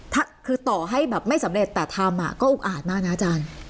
ถ้าคือต่อให้แบบไม่สำเร็จแต่ทำก็อุกอาจมากนะอาจารย์